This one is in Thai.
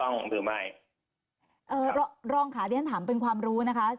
ฮะทางคลิตถังเป็นความรู้นะคะ